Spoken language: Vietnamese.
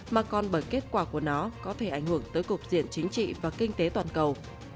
mà còn bởi kết quả của nó có thể ảnh hưởng tới cục diện chính trị và kinh tế toàn cầu